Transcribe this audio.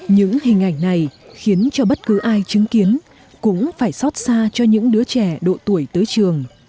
những hình ảnh này khiến cho bất cứ ai chứng kiến cũng phải xót xa cho những đứa trẻ độ tuổi tới trường